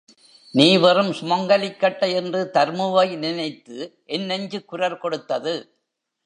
நீ வெறும் சுமங்கலிக்கட்டை என்று தர்முவை நினைத்து என் நெஞ்சு குரல் கொடுத்தது.